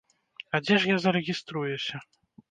А дзе ж я зарэгіструюся?